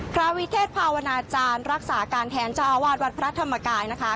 วิเทศภาวนาจารย์รักษาการแทนเจ้าอาวาสวัดพระธรรมกายนะคะ